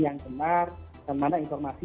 yang benar dan mana informasi